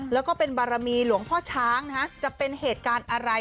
แล้วก็เป็นบารมีหลวงพ่อช้างนะฮะจะเป็นเหตุการณ์อะไร